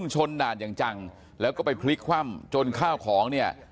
โชเฟอร์ลงมายังไงเนี่ย